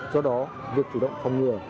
do đó việc chủ động phòng ngừa